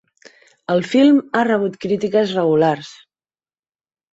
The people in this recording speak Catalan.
El film ha rebut crítiques regulars.